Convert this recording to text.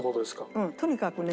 うんとにかくね